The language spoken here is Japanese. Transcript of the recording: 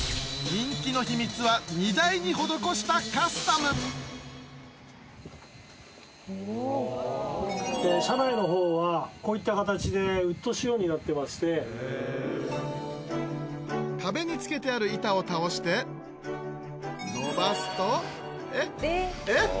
人気の秘密は荷台に施したカスタム車内のほうはこういった形でウッド仕様になってまして壁に付けてある板を倒して伸ばすとえっえっ